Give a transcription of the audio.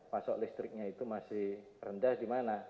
pasok listriknya itu masih rendah di mana